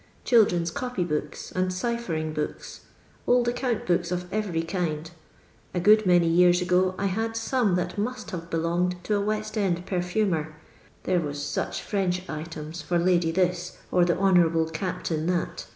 Children's copy books, and cyphering books. Old account books of every kind. A go:id many years ago, I had some that must have li'"lon)»ed to a West £nd perfumer, there was such French items for Lady this, or the Honour aliie Captain that.